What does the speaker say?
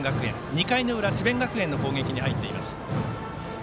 ２回の裏、智弁学園の攻撃に入っています。